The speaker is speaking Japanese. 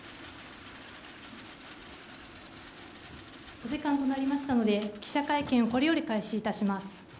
お時間となりましたので記者会見をこれより開始いたします。